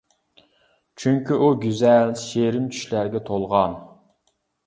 چۈنكى، ئۇ گۈزەل، شېرىن چۈشلەرگە تولغان.